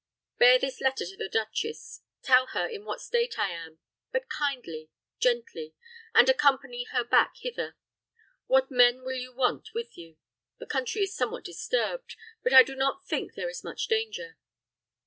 Bear this letter to the duchess, tell her in what state I am but kindly, gently and accompany her back hither. What men will you want with you? The country is somewhat disturbed, but I do not think there is much danger."